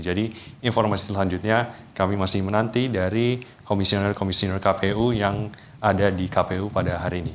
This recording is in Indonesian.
jadi informasi selanjutnya kami masih menanti dari komisioner komisioner kpu yang ada di kpu pada hari ini